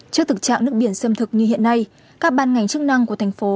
trước thực trạng nước biển xâm thực như hiện nay các ban ngành chức năng của thành phố